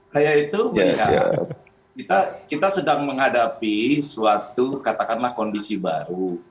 saya itu melihat kita sedang menghadapi suatu katakanlah kondisi baru